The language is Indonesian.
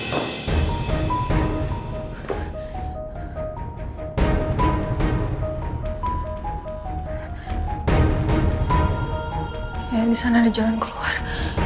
kayaknya disana ada jalan keluar